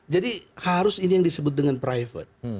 jadi harus ini yang disebut dengan private